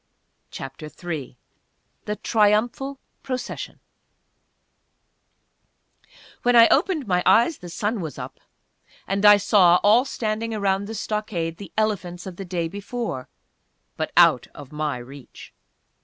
CHAPTER III THE TRIUMPHAL PROCESSION When I opened my eyes the sun was up, and I saw, all standing around the stockade, the elephants of the day before but out of my reach!